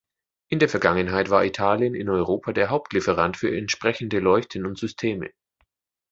In der Vergangenheit war Italien in Europa der Hauptlieferant für entsprechende Leuchten und Systeme.